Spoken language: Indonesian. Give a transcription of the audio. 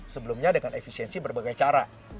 sebelumnya dengan efisiensi berbagai cara